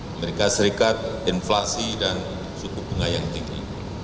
amerika serikat inflasi dan suku bunga yang tinggi